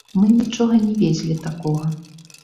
Мы нічога не везлі такога.